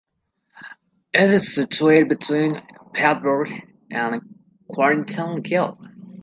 It is situated between Bowburn and Quarrington Hill.